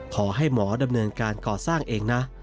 ขอให้หมอดำเนินการก่อสร้างเองนะ